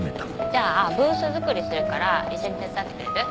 じゃあブースづくりするから一緒に手伝ってくれる？